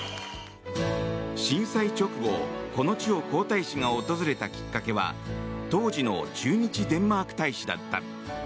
震災直後、この地を皇太子が訪れたきっかけは当時の駐日デンマーク大使だった。